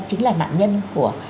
chính là nạn nhân của